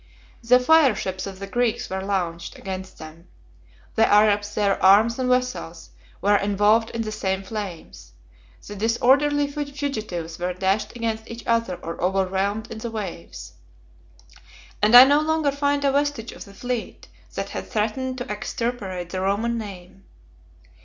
The fire ships of the Greeks were launched against them; the Arabs, their arms, and vessels, were involved in the same flames; the disorderly fugitives were dashed against each other or overwhelmed in the waves; and I no longer find a vestige of the fleet, that had threatened to extirpate the Roman name.